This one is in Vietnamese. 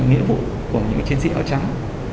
nghĩa vụ của những chiến sĩ ở trắng